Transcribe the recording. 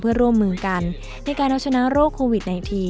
เพื่อร่วมมือกันในการเอาชนะโรคโควิด๑๙